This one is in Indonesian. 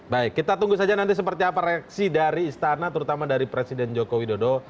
baik kita tunggu saja nanti seperti apa reaksi dari istana terutama dari presiden joko widodo